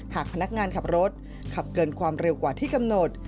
หากพนักงานขับรถขับเกินความเร็วกว่าที่กำหนด